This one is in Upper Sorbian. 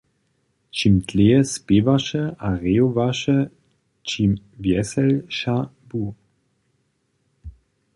Čim dlěje spěwaše a rejowaše, ćim wjeselša bu.